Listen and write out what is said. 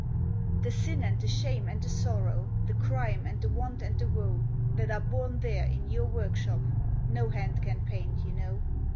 The sin and the shame and the sorrow, The crime and the want and the woe That are born there in your workshop, No hand can paint, you know.